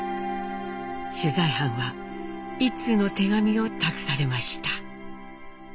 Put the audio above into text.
取材班は一通の手紙を託されました。